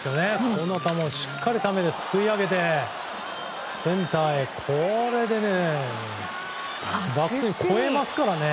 この球をしっかりすくい上げてセンターへ、これでバックスクリーン越えますからね。